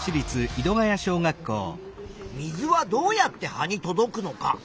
水はどうやって葉に届くのか。